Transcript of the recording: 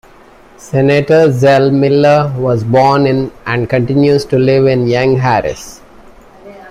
Senator Zell Miller was born in and continues to live in Young Harris.